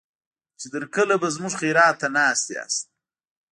چې تر کله به زموږ خيرات ته ناست ياست.